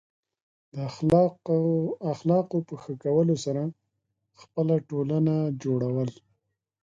د اخلاقو په ښه کولو سره خپل ټولنه جوړول.